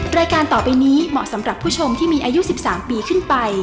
รายการต่อไปนี้เหมาะสำหรับผู้ชมที่มีอายุ๑๓ปีขึ้นไป